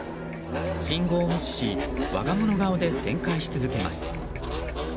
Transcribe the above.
信号を無視し我が物顔で旋回し続けます。